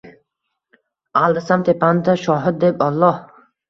Aldasam tepamda shohid deb Alloh.